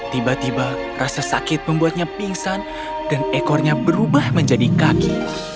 tiba tiba rasa sakit membuatnya pingsan dan ekornya berubah menjadi kaki